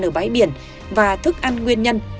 ở bãi biển và thức ăn nguyên nhân